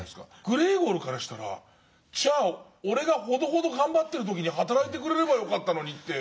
グレーゴルからしたら「俺がほどほど頑張ってる時に働いてくれればよかったのに」と。